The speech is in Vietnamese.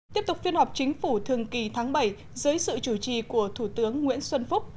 tiếp tục phiên họp chính phủ thường kỳ tháng bảy dưới sự chủ trì của thủ tướng nguyễn xuân phúc